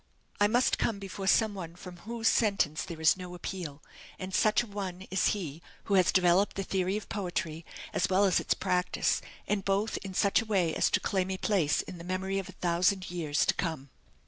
I must come before some one from whose sentence there is no appeal; and such a one is he who has developed the theory of poetry as well as its practice, and both in such a way as to claim a place in the memory of a thousand years to come.